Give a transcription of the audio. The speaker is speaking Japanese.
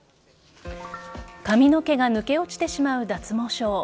髪の毛が抜け落ちてしまう脱毛症。